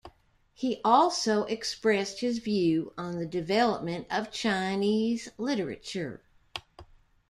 He also expressed his view on the development of Chinese literature.